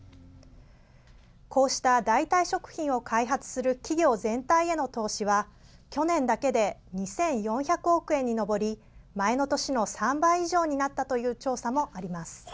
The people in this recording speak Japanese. こうした代替食品を開発する企業全体への投資は去年だけで２４００億円に上り前の年の３倍以上になったという調査もあります。